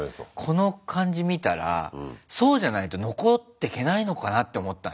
この感じ見たらそうじゃないと残ってけないのかなって思ったね。